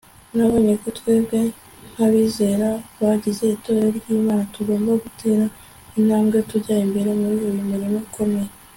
nabonye ko twebwe nk'abizera bagize itorero ry'imana tugomba gutera intambwe tujya mbere muri uyu murimo ukomeye